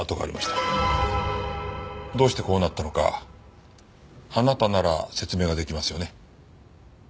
どうしてこうなったのかあなたなら説明が出来ますよね？